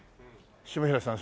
下平さん